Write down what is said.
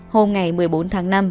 hôm ngày một mươi bốn tháng năm